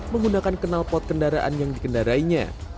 menggunakan kenal pot kenaikan